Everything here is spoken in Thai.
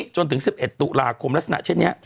จนถึง๑๑ตุลาคมลักษณะเช่นนี้